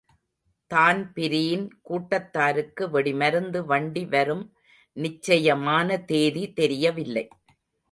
Dan Breen கூட்டத்தாருக்கு வெடிமருந்து வண்டி வரும் நிச்சயமான தேதி தெரியவில்லை.